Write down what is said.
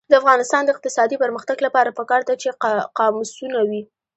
د افغانستان د اقتصادي پرمختګ لپاره پکار ده چې قاموسونه وي.